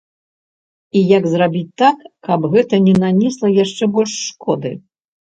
І як зрабіць так, каб гэта не нанесла яшчэ больш шкоды?